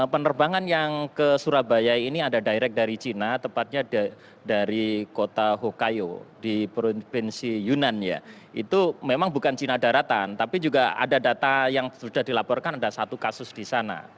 penerbangan yang ke surabaya ini ada direct dari cina tepatnya dari kota hokayo di provinsi yunan ya itu memang bukan cina daratan tapi juga ada data yang sudah dilaporkan ada satu kasus di sana